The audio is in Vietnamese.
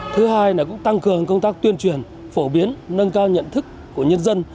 thứ hai là cũng tăng cường công tác tuyên truyền phổ biến nâng cao nhận thức của nhân dân